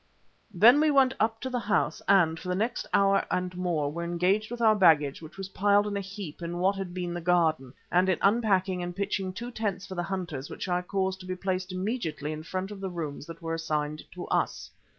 Then we went up to the house, and for the next hour and more were engaged with our baggage which was piled in a heap in what had been the garden and in unpacking and pitching two tents for the hunters which I caused to be placed immediately in front of the rooms that were assigned to us.